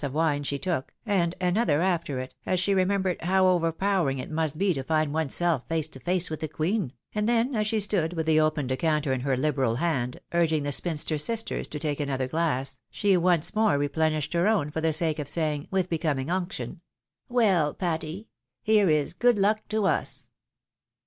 339 of wine she took, and another after it, as she remembered how overpowering it must be to find one's self face to face with the Queen ; and then, as she stood with the open decanter in her liberal hand, urging the spinster sisters to take another glass, she once more replenished her own for the sake of saying, with becoming unction, " WeU, Patty ! here is good luck to us